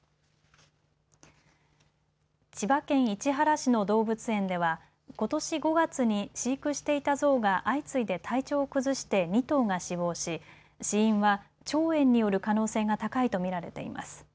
千葉県市原市の動物園ではことし５月に飼育していたゾウが相次いで体調を崩して２頭が死亡し死因は腸炎による可能性が高いと見られています。